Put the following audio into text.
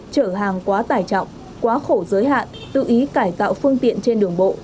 trở hàng quá tải trọng quá khổ giới hạn tự ý cải tạo phương tiện trên đường bộ